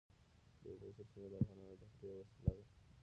د اوبو سرچینې د افغانانو د تفریح یوه وسیله ده.